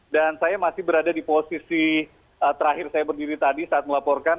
dan saya masih berada di posisi terakhir saya berdiri tadi saat melaporkan